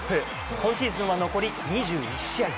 今シーズンは残り２１試合。